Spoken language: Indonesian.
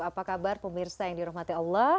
apa kabar pemirsa yang dirahmati allah